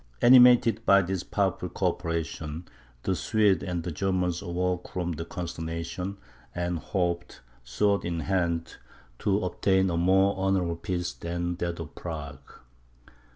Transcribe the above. Animated by this powerful co operation, the Swedes and Germans awoke from the consternation, and hoped, sword in hand, to obtain a more honourable peace than that of Prague.